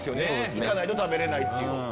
行かないと食べれないっていう。